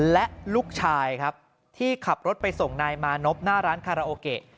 และลูกชายครับที่ขับรถไปส่งนายมานพหน้าร้านคาราโอเกะ